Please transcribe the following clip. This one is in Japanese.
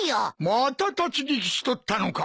また立ち聞きしとったのか。